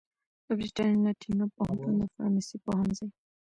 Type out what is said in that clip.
د برېتانیا ناټینګهم پوهنتون د فارمیسي پوهنځي